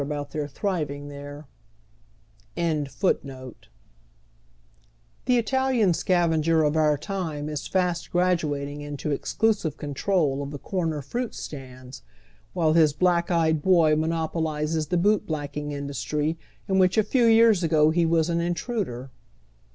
* TJie Italian scavenger of our time is fast graduating into exclusive control of tlie corner fruit stands, while his black eyed hoy monopolizes the hoot blacking industry in which a few years ago he was an intruder.